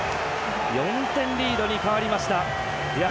４点リードに変わりました。